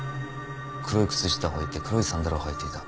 黒い靴下をはいて黒いサンダルを履いていた。